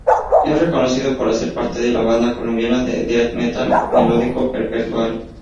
Es reconocido por hacer parte de la banda colombiana de death metal melódico Perpetual.